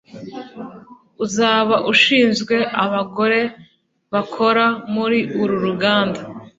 Uzaba ushinzwe abagore bakora muri uru ruganda